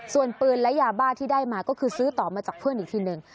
ส่วนปืนและยาบ้าที่ได้มาก็คือซื้อต่อมาจากเพื่อนอีกทีหนึ่ง